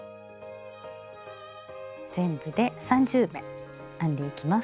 全部で３０目編んでいきます。